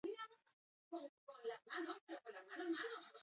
Jokalari gipuzkoarrak atseden hartu beharko du.